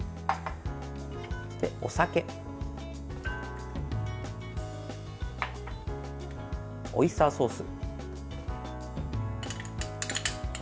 お酒、オイスターソース。